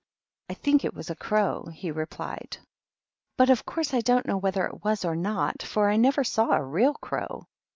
" I think it was a crow," he replied ;" but of course I don't know whether it was or not, for I never saw a real crow."